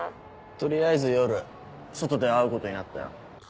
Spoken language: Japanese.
取りあえず夜外で会うことになったよ。